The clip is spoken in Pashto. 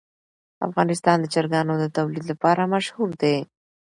افغانستان د چرګانو د تولید لپاره مشهور دی.